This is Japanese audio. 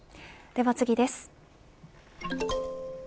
では次です。